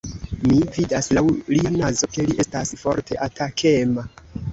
Mi vidas laŭ lia nazo, ke li estas forte atakema.